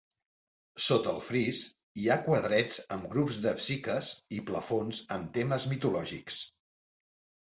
Sota el fris hi ha quadrets amb grups de Psiques i plafons amb temes mitològics.